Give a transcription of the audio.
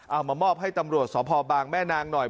เอามามอบให้ตำรวจสพบางแม่นางหน่อย